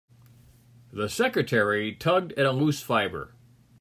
The secretary tugged at a loose fibre.